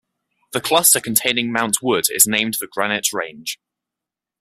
The cluster containing Mount Wood is named the Granite Range.